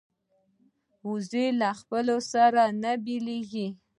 وزې له خپلو سره نه بیلېږي